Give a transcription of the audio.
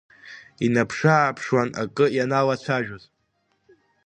Инаԥшы-ааԥшуан акы ианалацәажәоз.